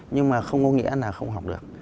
nhưng mà không có nghĩa là không học được